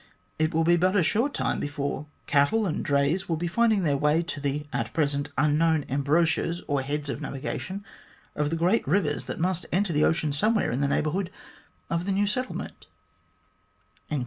It will be but a short time before cattle and drays will be finding their way to the at present un known embouchures, or heads of navigation of the great rivers that must enter the ocean somewhere in the neighbourhood of the new settlement."